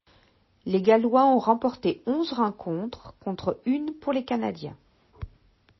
Les Gallois ont remporté onze rencontres contre une pour les Canadiens.